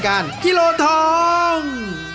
ไปเลย